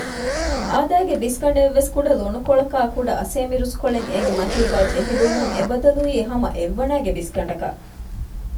އާދައިގެ ބިސްގަނޑެއްވެސް ކުޑަ ލޮނުކޮޅަކާއި ކުޑަ އަސޭމިރުސްކޮޅެއް އޭގެ މަތީގައި ޖެހިލުމުން އެ ބަދަލުވީ ހަމަ އެއްވަނައިގެ ބިސްގަނޑަކަށް